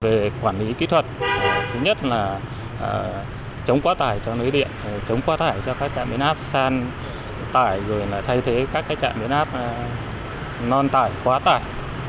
về quản lý kỹ thuật thứ nhất là chống quá tài cho lưới điện chống quá tài cho các trạm biến áp san tài rồi là thay thế các trạm biến áp non tài quá tài